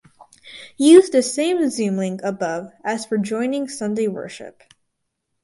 Use the same Zoom link above as for joining Sunday worship.